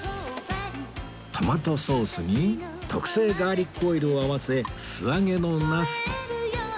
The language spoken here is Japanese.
トマトソースに特製ガーリックオイルを合わせ素揚げのなすと